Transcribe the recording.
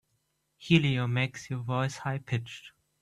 Helium makes your voice high pitched.